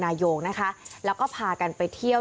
นายงนะคะแล้วก็พากันไปเที่ยว